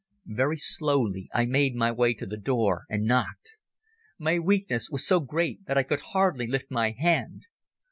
Very slowly I made my way to the door and knocked. My weakness was so great that I could hardly lift my hand.